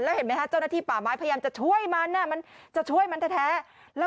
เห็นไหมฮะเจ้าหน้าที่ป่าไม้พยายามจะช่วยมันมันจะช่วยมันแท้